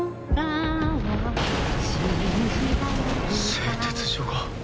製鉄所が。